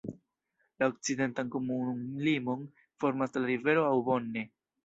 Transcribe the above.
La okcidentan komunumlimon formas la rivero Aubonne.